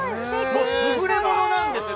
もう優れものなんですよ